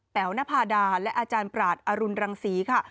แป๋วนะภาดาและอาจารย์ปราธิภรรณรังศีค่ะ